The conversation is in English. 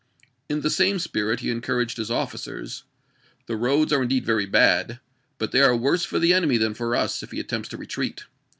In the same spirit he encouraged his oflBcers: "The roads are indeed very bad, but they are worse for the enemy than for us if he attempts to retreat.